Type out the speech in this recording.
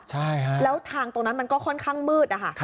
ใช่ฮะแล้วทางตรงนั้นมันก็ค่อนข้างมืดนะคะ